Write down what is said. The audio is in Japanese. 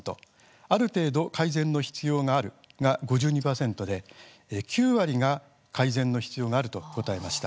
ある程度改善の必要があるが５２％で９割が改善の必要があると答えました。